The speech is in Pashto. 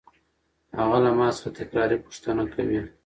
هغه له ما څخه تکراري پوښتنه کوي.